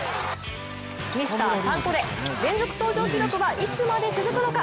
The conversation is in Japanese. ミスターサンコレ、連続登場記録はいつまで続くのか。